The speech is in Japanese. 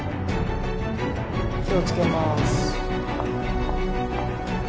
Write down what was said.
気をつけまーす。